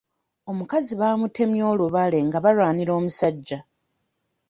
Omukazi baamutemye olubale nga balwanira omusajja.